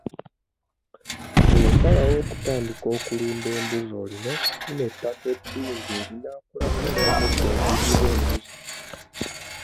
Bw'osalawo okutandika okulunda embuzi olina okufuna ettaka eddungi erinaakulako n'omuddo oguliibwa embuzi.